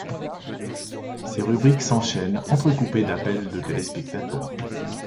Ces rubriques s'enchaînent, entrecoupées d'appels de téléspectateurs.